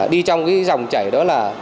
đi trong cái dòng chảy đó là